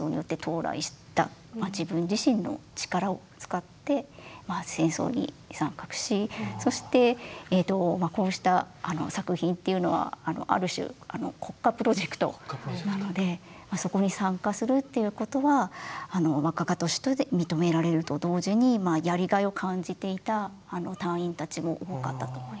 自分自身の力を使って戦争に参画しそしてこうした作品っていうのはある種国家プロジェクトなのでそこに参加するっていうことは画家として認められると同時にやりがいを感じていた隊員たちも多かったと思います。